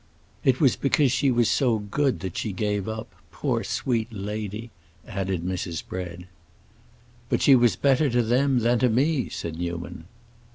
"It was because she was so good that she gave up—poor sweet lady!" added Mrs. Bread. "But she was better to them than to me," said Newman.